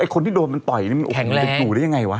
ไอ้คนที่โดนมันต่อยมันก็อยู่ได้ยังไงวะ